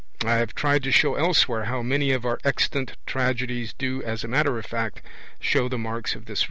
I have tried to show elsewhere how many of our extant tragedies do, as a matter of fact, show the marks of this ritual.